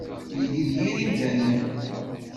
Wigi d yir imdanen.